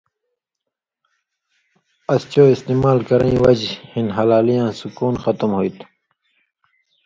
اس چو استعمال کرَیں وجہۡ ہِن ہلالیں یاں سُکُون ختم ہُوئ تُھو